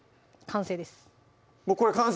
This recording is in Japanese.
完成です！